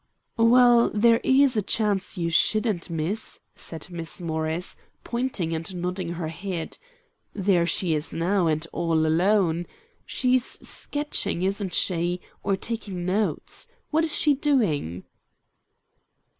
"Well, there is a chance you shouldn't miss," said Miss Morris, pointing and nodding her head. "There she is now, and all alone. She's sketching, isn't she, or taking notes? What is she doing?"